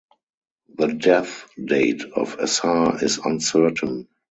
The death date of Assar is uncertain.